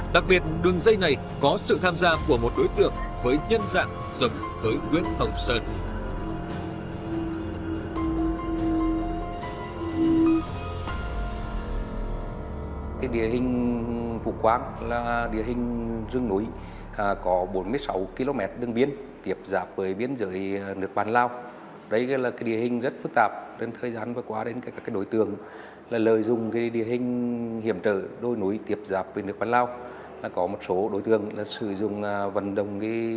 đặc biệt đường dây này có sự tham gia của một đối tượng với nhân dạng giống với nguyễn hồng sơn